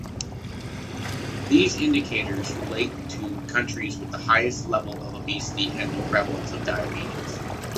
These indicators relate to countries with the highest levels of obesity and the prevalence of diabetes.